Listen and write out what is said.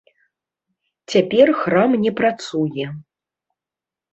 Цяпер храм не працуе.